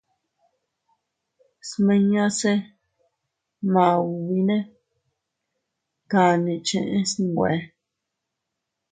Smiñase maubine kani cheʼe snwe.